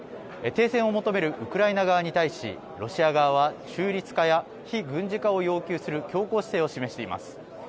停戦を求めるウクライナ側に対し、ロシア側は中立化や非軍事化を要求する強硬姿勢を示しています。